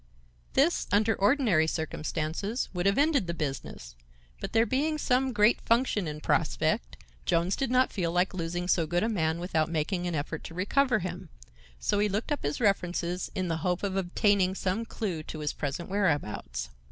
"This, under ordinary circumstances, would have ended the business, but there being some great function in prospect, Jones did not feel like losing so good a man without making an effort to recover him, so he looked up his references in the hope of obtaining some clue to his present whereabouts.